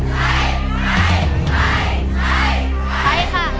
ใช่ค่ะ